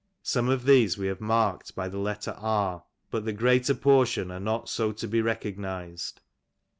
Some of these we have marked by the letter 72, but the greater portion are not so to be recognized.